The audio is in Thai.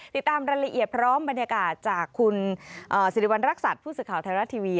ติดตามรายละเอียดพร้อมบรรยากาศจากคุณสิริวัณรักษัตริย์ผู้สื่อข่าวไทยรัฐทีวี